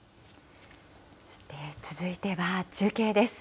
続いては、中継です。